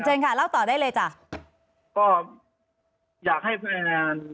เชิญค่ะเล่าต่อได้เลยจ้ะก็อยากให้พนักงาน